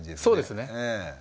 そうですね。